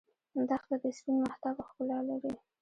دښته د سپین مهتاب ښکلا لري.